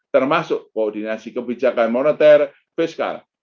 termasuk koordinasi kebijakan moneter fiskal